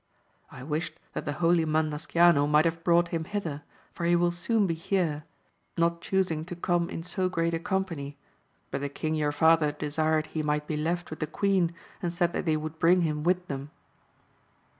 I wished that the holy man Nasciano might have brought him hither, for he will soon be here, not chusing to come in so great a company, but the king your father desired he might be left with the queen, and said that they would bring him with them.